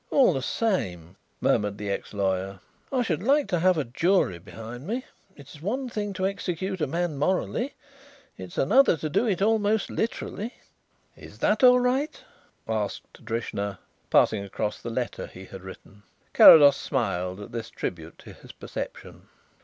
"All the same," murmured the ex lawyer, "I should like to have a jury behind me. It is one thing to execute a man morally; it is another to do it almost literally." "Is that all right?" asked Drishna, passing across the letter he had written. Carrados smiled at this tribute to his perception.